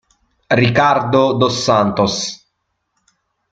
Ricardo dos Santos